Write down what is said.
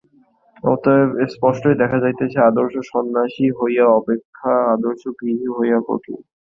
অতএব স্পষ্টই দেখা যাইতেছে, আদর্শ সন্ন্যাসী হওয়া অপেক্ষা আদর্শ গৃহী হওয়া কঠিন।